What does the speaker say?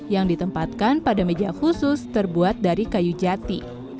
yang ditempatkan pada meja khusus terbuat dari kayu jati